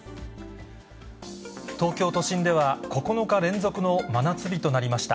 東京都心では９日連続の真夏日となりました。